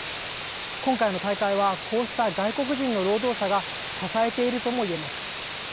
今回の大会は、こうした外国人の労働者が支えているともいえます。